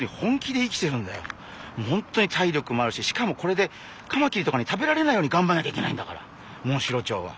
本当に体力もあるししかもこれでカマキリとかに食べられないようにがんばらなきゃいけないんだからモンシロチョウは。